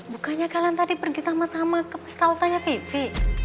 bukannya kalian tadi pergi sama sama ke sausannya vivi